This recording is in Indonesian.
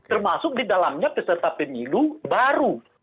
termasuk di dalamnya peserta pemilu baru